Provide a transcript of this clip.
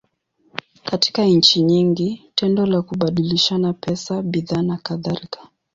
Katika nchi nyingi, tendo la kubadilishana pesa, bidhaa, nakadhalika.